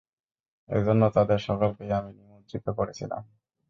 এজন্য তাদের সকলকেই আমি নিমজ্জিত করেছিলাম।